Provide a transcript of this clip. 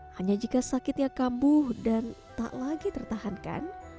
hanya jika sakitnya kambuh dan tak lagi tertahankan